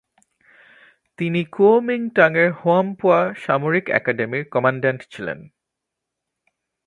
তিনি কুওমিঙটাঙের হোয়ামপোয়া সামরিক অ্যাকাডেমির কমান্ড্যান্ট ছিলেন।